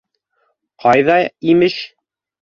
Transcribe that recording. — Ҡайҙа, имеш.